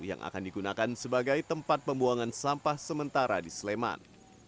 yang akan digunakan sebagai tempat pembuangan sampah sementara di sleman